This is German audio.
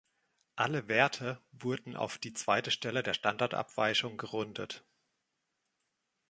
Alle Werte wurden auf die zweite Stelle der Standardabweichung gerundet.